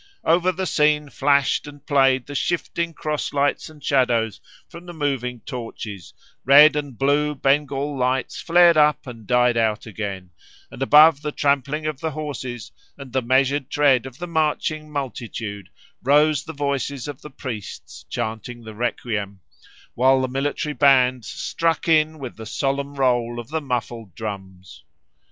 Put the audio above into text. Over the scene flashed and played the shifting cross lights and shadows from the moving torches: red and blue Bengal lights flared up and died out again; and above the trampling of the horses and the measured tread of the marching multitude rose the voices of the priests chanting the requiem, while the military bands struck in with the solemn roll of the muffled drums.